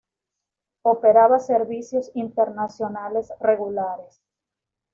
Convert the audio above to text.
Operaba servicios internacionales regulares.